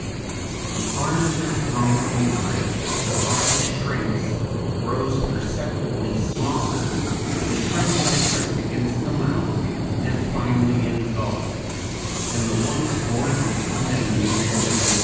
The arms are thrown over it, the body shrinks, grows perceptibly smaller, the shrimp is pressed against the mouth, and finally ingulfed, and the once gorgeous anemone resembles (Fig.